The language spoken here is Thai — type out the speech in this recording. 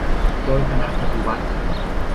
โดยคณะปฏิวัติ